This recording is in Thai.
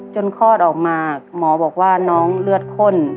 คลอดออกมาหมอบอกว่าน้องเลือดข้น